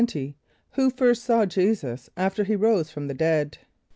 = Who first saw J[=e]´[s+]us after he rose from the dead?